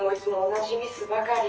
同じミスばかり。